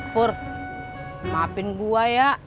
pur maafin gua ya